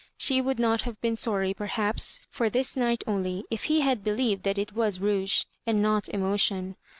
She would not have been sorry, perhaps, for thia night only, if he had believed that it was rouge, and not emotion.